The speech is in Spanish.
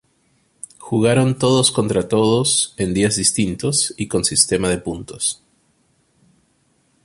Jugaron "todos contra todos" en días distintos, y con sistema de puntos.